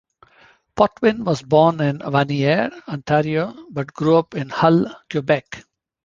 Potvin was born in Vanier, Ontario, but grew up in Hull, Quebec.